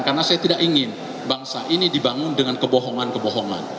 karena saya tidak ingin bangsa ini dibangun dengan kebohongan kebohongan